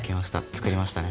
作りましたね。